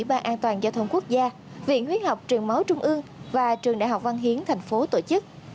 an toàn giao thông quốc gia viện huyết học trường máu trung ương và trường đại học văn hiến tp tổ chức